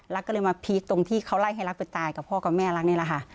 ก็เลยมาพีชตรงที่เขาไล่ให้รักไปตายกับพ่อกับแม่รักนี่แหละค่ะ